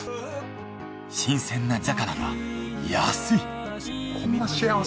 新鮮な地魚が安い！